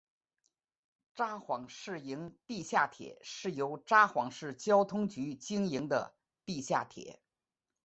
札幌市营地下铁是由札幌市交通局经营的地下铁。